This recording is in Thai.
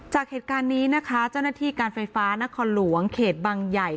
จากเหตุการณ์นี้นะคะเจ้าหน้าที่การไฟฟ้านครหลวงเขตบังใหญ่